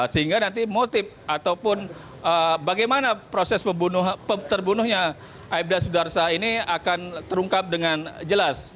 sehingga nanti motif ataupun bagaimana proses pembunuhnya aibda sudarsa ini akan terungkap dengan jelas